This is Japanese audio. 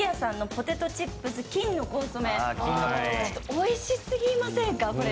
おいしすぎませんか、これ？